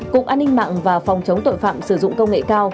cục an ninh mạng và phòng chống tội phạm sử dụng công nghệ cao